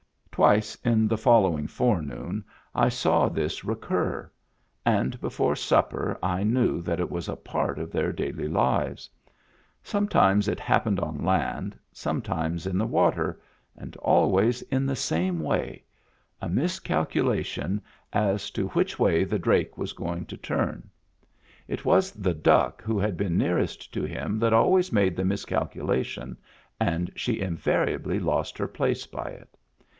Twice in the following forenoon I saw this recur; and before supper I knew that it was a part of their daily lives. Sometimes it happened on land, sometimes in the water, and always in the same way — a miscalculation as to which way Digitized by Google 300 MEMBERS OF THE FAMILY the drake was going to turn. It was the duck who had been nearest to him that always made the miscalculation, and she invariably lost her place by it.